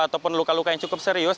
ataupun luka luka yang cukup serius